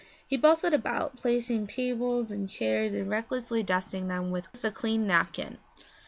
He bustled about placing table and chairs, and recklessly dusting them with the clean napkin.